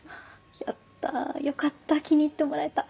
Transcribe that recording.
やったよかった気に入ってもらえた。